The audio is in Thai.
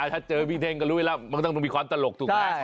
ถ้าเจอพี่เท่งก็รู้แล้วมันต้องมีความตลกถูกไหม